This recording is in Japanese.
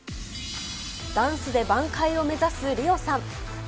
ダンスで挽回を目指すリオさん。